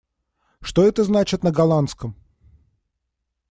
Что это значит на голландском?